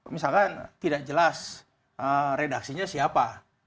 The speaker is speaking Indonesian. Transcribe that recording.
misalkan tidak jelas redaksinya siapa